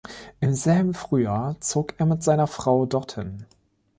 Im selben Frühjahr zog er mit seiner Frau dorthin.